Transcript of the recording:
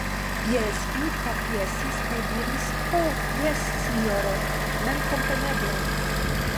Bjelski kapjesis kaj diris: Ho jes, sinjoro, memkompreneble.